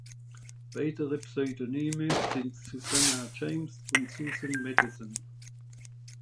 Weitere Pseudonyme sind Susannah James und Susan Madison.